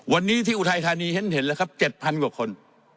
วันนี้ที่อุทัยธานีเห็นแล้วครับ๗๐๐กว่าคน